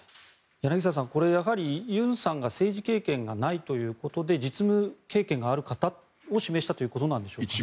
柳澤さんやはり尹さんが政治経験がないということで実務経験がある方を指名したということですね。